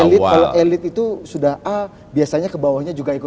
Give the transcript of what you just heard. karena katanya kalau elit itu sudah a biasanya kebawahnya juga ikut a